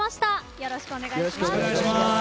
よろしくお願いします。